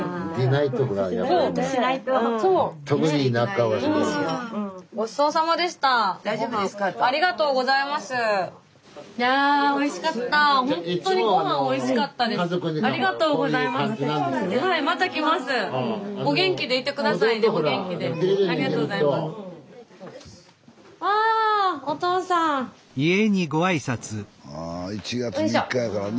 スタジオあ１月３日やからね